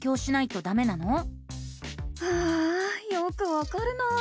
ああよくわかるな。